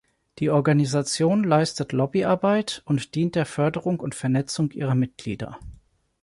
Die Organisation leistet Lobbyarbeit und dient der Förderung und Vernetzung ihrer Mitglieder.